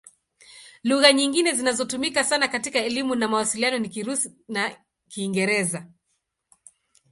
Lugha nyingine zinazotumika sana katika elimu na mawasiliano ni Kirusi na Kiingereza.